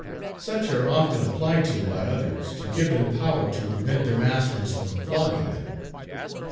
Such are often applied to by others, to give them power to prevent their masters from flogging them.